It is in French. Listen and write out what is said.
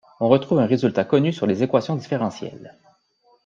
On retrouve un résultat connu sur les équations différentielles.